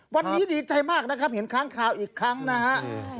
วันนี้ดีใจมากนะครับเห็นค้างข่าวอีกครั้งนะฮะ